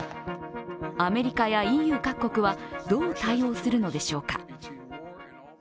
アメリカやＥＵ各国はどう対応するのでしょうか。